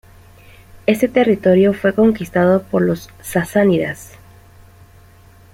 Este territorio fue conquistado por los sasánidas.